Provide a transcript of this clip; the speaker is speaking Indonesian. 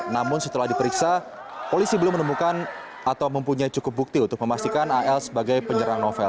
namun setelah diperiksa polisi belum menemukan atau mempunyai cukup bukti untuk memastikan al sebagai penyerang novel